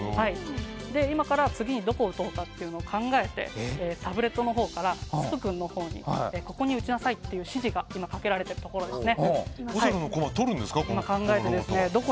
今から次にどこをとるかを考えてタブレットのほうからスプ君のほうにここに打ちなさいという指示がかけられているところですね。